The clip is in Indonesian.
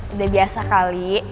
udah biasa kali